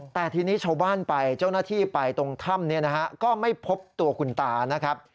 แต่ทีนี้ชาวบ้านไปเจ้าหน้าที่ไปตรงถ้ำเนี่ยนะฮะก็ไม่พบตัวคุณตานะครับ